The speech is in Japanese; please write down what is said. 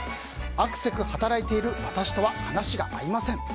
あくせく働いている私とは話が合いません。